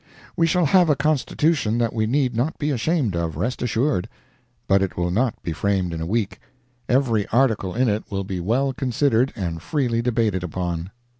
We shall have a Constitution that we need not be ashamed of, rest assured; but it will not be framed in a week. Every article in it will be well considered and freely debated upon.